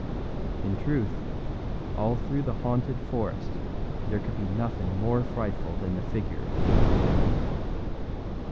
â In truth, all through the haunted forest there could be nothing more frightful than the figure of Goodman Brown.